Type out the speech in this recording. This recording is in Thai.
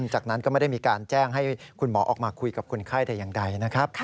จากนั้นก็ไม่ได้มีการแจ้งให้คุณหมอออกมาคุยกับคนไข้แต่อย่างใดนะครับ